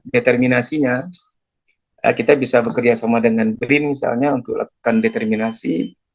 determinasinya kita bisa bekerjasama dengan brin misalnya untuk lakukan determinasi